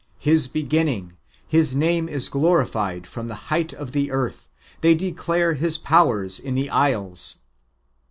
His beginning (initium), His name is glori fied from the height of the earth: they declare His powers in the isles."